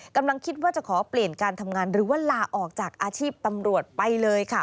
กำลังคิดว่าจะขอเปลี่ยนการทำงานหรือว่าลาออกจากอาชีพตำรวจไปเลยค่ะ